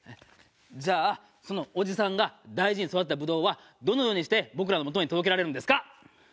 じゃあそのおじさんが大事に育てたぶどうはどのようにして僕らのもとに届けられるんですか？